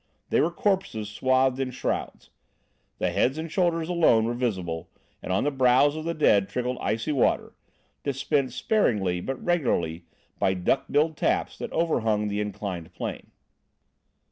They were corpses swathed in shrouds. The heads and shoulders alone were visible, and on the brows of the dead trickled icy water, dispensed sparingly but regularly by duck billed taps that overhung the inclined plane.